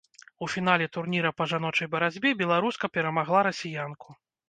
У фінале турніра па жаночай барацьбе беларуска перамагла расіянку.